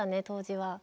当時は。